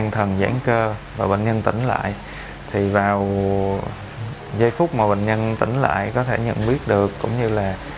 tôi kiểu xúc động á